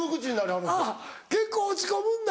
あっ結構落ち込むんだ。